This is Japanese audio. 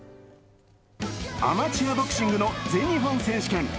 アマチュアボクシングの全日本選手権。